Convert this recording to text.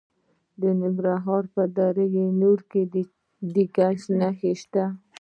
د ننګرهار په دره نور کې د ګچ نښې شته.